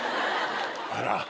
あら⁉